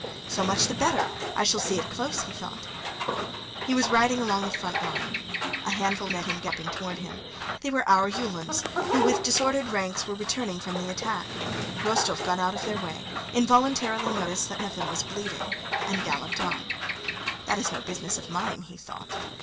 "So much the better! I shall see it close," he thought. He was riding almost along the front line. A handful of men came galloping toward him. They were our Uhlans who with disordered ranks were returning from the attack. Rostóv got out of their way, involuntarily noticed that one of them was bleeding, and galloped on. "That is no business of mine," he thought.